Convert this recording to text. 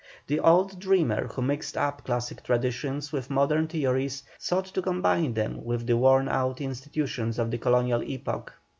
The old dreamer, who mixed up classic traditions with modern theories, sought to combine them with the worn out institutions of the colonial epoch.